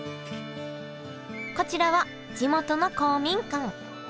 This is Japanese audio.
こちらは地元の公民館。